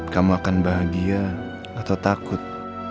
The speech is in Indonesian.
kamu akan bahagia atau takut